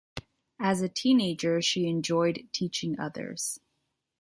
As a teenager she enjoyed teaching others.